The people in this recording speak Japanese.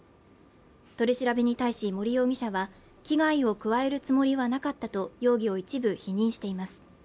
取り調べに対し森容疑者は危害を加えるつもりはなかったと容疑を一部否認しています